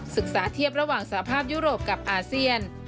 เทียบระหว่างสภาพยุโรปกับอาเซียน